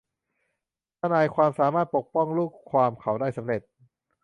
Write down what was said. ทนายความสามารถปกป้องลูกความเขาได้สำเร็จ